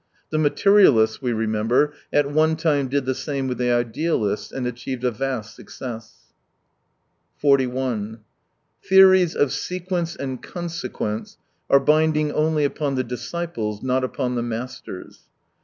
The materialists, we remember, at one time did the same with the idealists, and achieved a vast success. 41 Theories of sequence and consequence are binding only upon the disciples, not upon the masters.